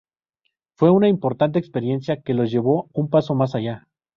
Fue una importante experiencia que los llevó un paso más allá.